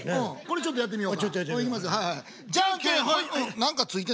ちょっとやってみよう。